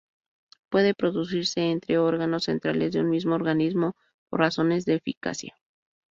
Puede producirse entre órganos centrales de un mismo organismo por razones de eficacia.